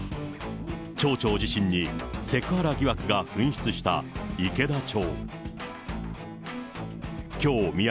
町長自身にセクハラ疑惑が噴出した池田町。